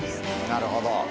なるほど。